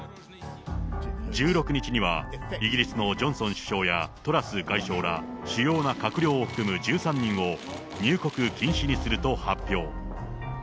１６日には、イギリスのジョンソン首相やトラス外相ら、主要な閣僚を含む１３人を入国禁止にすると発表。